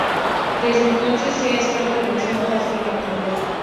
Desde entonces se ha estado realizando hasta la actualidad.